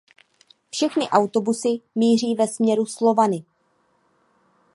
Všechny autobusy míří ve směru Slovany.